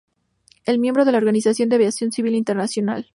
Es miembro de la Organización de Aviación Civil Internacional.